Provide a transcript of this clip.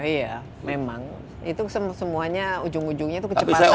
iya memang itu semuanya ujung ujungnya itu kecepatan